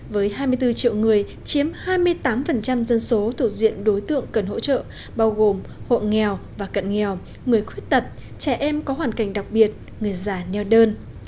với hai mươi bốn triệu người chiếm hai mươi tám dân số thuộc diện đối tượng cần hỗ trợ bao gồm hộ nghèo và cận nghèo người khuyết tật trẻ em có hoàn cảnh đặc biệt người già neo đơn